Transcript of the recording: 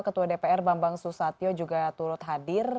ketua dpr bambang susatyo juga turut hadir